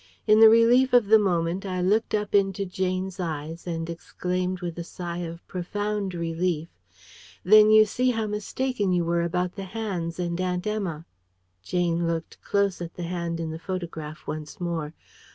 In the relief of the moment, I looked up into Jane's eyes, and exclaimed with a sigh of profound relief: "Then you see how mistaken you were about the hands and Aunt Emma!" Jane looked close at the hand in the photograph once more.